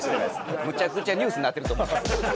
むちゃくちゃニュースになってると思います。